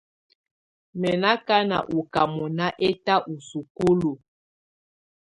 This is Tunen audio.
Mɛ̀ nɔ̀ akana ɔ ká mɔ̀nà ɛtà ù sukulu.